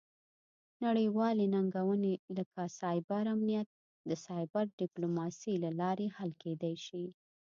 نړیوالې ننګونې لکه سایبر امنیت د سایبر ډیپلوماسي له لارې حل کیدی شي